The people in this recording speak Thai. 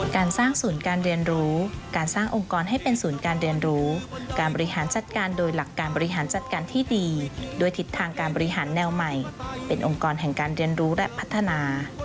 การสร้างศูนย์การเรียนรู้การสร้างองค์กรให้เป็นศูนย์การเรียนรู้การบริหารจัดการโดยหลักการบริหารจัดการที่ดีด้วยทิศทางการบริหารแนวใหม่เป็นองค์กรแห่งการเรียนรู้และพัฒนา